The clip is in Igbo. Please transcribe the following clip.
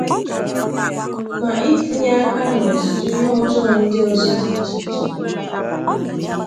na itinye aka n'ọtụtụ ihe ọjọọ ndị ọzọ dị iche iche